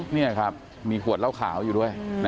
นี่ครับมีขวดเหล้าขาวอยู่ด้วย